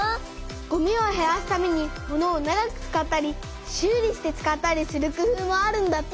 ごみをへらすためにものを長く使ったり修理して使ったりする工夫もあるんだって。